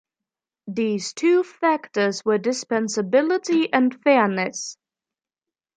These two factors were dispensability and fairness.